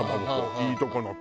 いいとこのって。